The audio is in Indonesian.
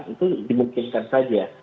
itu dimungkinkan saja